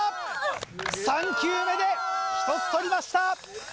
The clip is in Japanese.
３球目で１つ取りました！